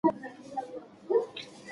استاد وویل چې ټولنه په حرکت کې ده.